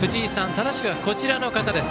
正しくは、こちらの方です。